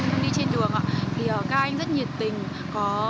em đi trên đường ạ thì các anh rất nhiệt tình